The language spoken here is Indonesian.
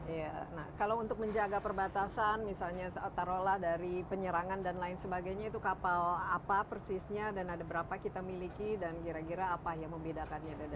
iya nah kalau untuk menjaga perbatasan misalnya taruhlah dari penyerangan dan lain sebagainya itu kapal apa persisnya dan ada berapa kita miliki dan kira kira apa yang membedakannya